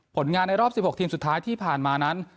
ผลงานในรอบ๑๖ทีมสุดท้ายที่ผ่านมานั้น